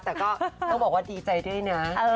แต่ก็ต้องบอกว่าดีใจด้วยนะ